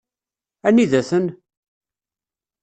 Anida-ten?